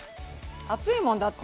暑いもんだって。